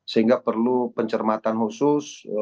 sehingga perlu pencermatan khusus